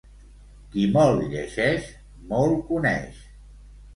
Qui molt llegeix, molt coneix.